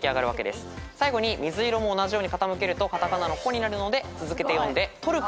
最後に水色も同じように傾けるとカタカナの「コ」になるので続けて読んで。